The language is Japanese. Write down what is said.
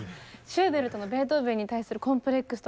シューベルトのベートーベンに対するコンプレックスとかは感じましたか？